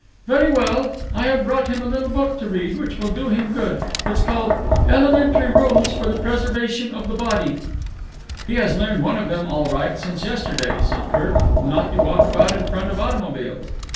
"Very well. I have brought him a little book to read, which will do him good. It is called 'Elementary Rules for the Preservation of the Body'." "He has learned one of them, all right, since yesterday," said Kirk. "Not to walk about in front of automobiles."